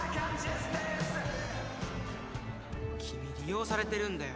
君利用されてるんだよ